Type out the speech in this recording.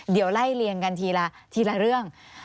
เดี๋ยวไล่เลี่ยงกันทีละเรื่อง